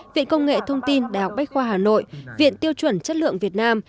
viện công nghệ thông tin đại học bách khoa hà nội viện tiêu chuẩn chất lượng việt nam